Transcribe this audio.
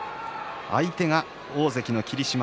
相手は大関の霧島。